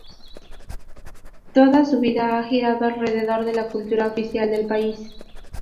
Toda su vida ha girado alrededor de la cultura oficial del país.